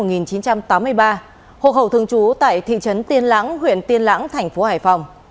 nguyễn thị mai hộp hậu thường trú tại thị trấn tiên lãng huyện tiên lãng tp hcm